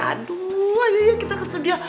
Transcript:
aduh ayo kita ke studio